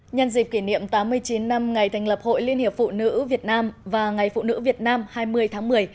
nhân dịp kỷ niệm tám mươi chín năm ngày thành lập hội liên hiệp phụ nữ việt nam và ngày phụ nữ việt nam hai mươi tháng một mươi